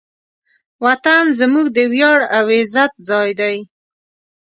وطن زموږ د ویاړ او عزت ځای دی.